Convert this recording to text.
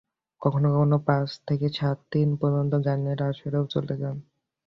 কখনো কখনো পাঁচ থেকে সাত দিন পর্যন্ত গানের আসরেও চলে যান।